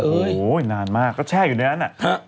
โอ้โหนานมากก็แช่อยู่ในนั้น